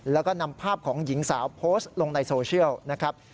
แล้วก็นำภาพของหญิงสาวโพสต์ลงในโซเชียลนะครับ